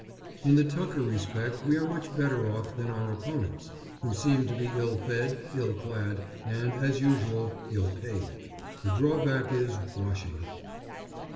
In the tucker respect we are much better off than our opponents, who seem to be ill fed, ill clad, and, as usual, ill paid.... The drawback is washing....